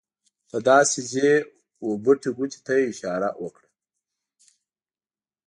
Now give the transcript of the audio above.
ته داسې ځې وه بټې ګوتې ته یې اشاره وکړه.